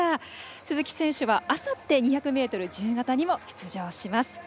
鈴木選手はあさって２００ｍ自由形にも出場します。